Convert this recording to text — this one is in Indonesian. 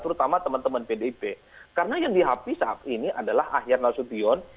terutama teman teman pdip karena yang dihapi saat ini adalah akhir nasution